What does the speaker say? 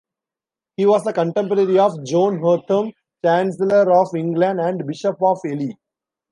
He was a contemporary of John Hotham, Chancellor of England and Bishop of Ely.